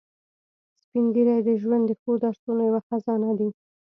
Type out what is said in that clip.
سپین ږیری د ژوند د ښو درسونو یو خزانه دي